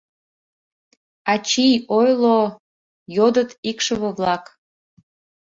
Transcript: — Ачий, ойло-о, — йодыт икшыве-влак.